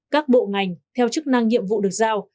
các bộ ngành theo chức năng nhiệm vụ được giao